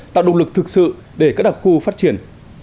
tạo động lực thực sự để các đặc khu phát triển